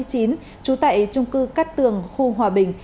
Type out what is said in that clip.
trú tại trung cư cát tường khu hòa bình